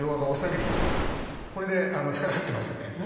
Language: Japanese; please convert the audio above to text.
これで力入ってますよね。